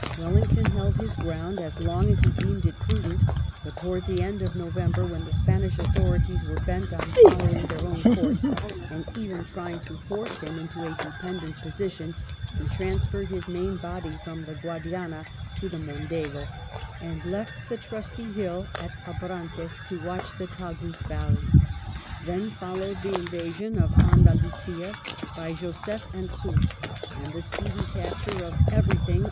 Wellington held his ground as long as he deemed it prudent, but towards the end of November, when the Spanish authorities were bent on following their own course, and even trying to force him into a dependent position, he trans ferred his main body from the Guadiana to the Mondego, and left the trusty Hill at Abrantes to watch the Tagus valley* Then followed the invasion of Andalusia by Joseph and Soult, and the speedy capture of everything K I30 WELLINGTON chap.